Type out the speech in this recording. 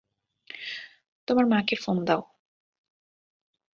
তোমার মাকে ফোন দাও।